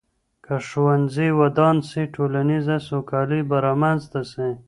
که ښوونځي ودان سي ټولنیزه سوکالي به رامنځته سي.